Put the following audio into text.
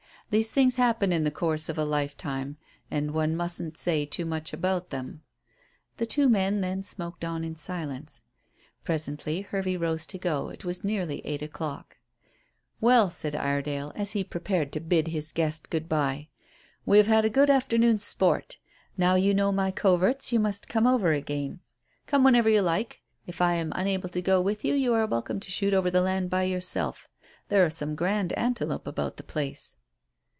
These things happen in the course of a lifetime, and one mustn't say too much about them." The two men then smoked on in silence. Presently Hervey rose to go. It was nearly eight o'clock. "Well," said Iredale, as he prepared to bid his guest good bye, "we have had a good afternoon's sport. Now you know my coverts you must come over again. Come whenever you like. If I am unable to go with you, you are welcome to shoot over the land by yourself. There are some grand antelope about the place."